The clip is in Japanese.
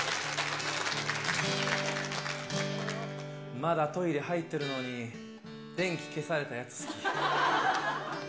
まだトイレ入ってるのに、電気消されたやつ、好き。